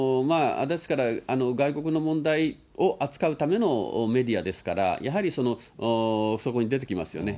外国の問題を扱うためのメディアですから、やはりそこに出てきますよね。